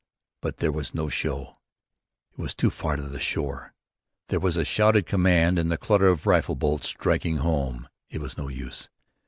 But there was no show: It was too far to the shore. There was a shouted command and the clatter of rifle bolts striking home. It was no use.